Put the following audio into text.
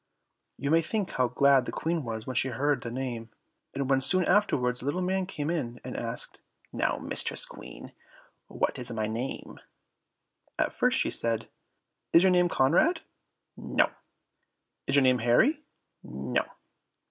You may think how glad the Queen was when she heard the name! And when soon afterwards the little man came in, and asked, "Now, Mistress Queen, what is my name?" at first she said, "Is your name Conrad?" "No." "Is your name Harry?" "No."